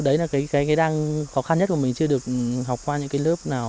đấy là cái khó khăn nhất mà mình chưa được học qua những lớp nào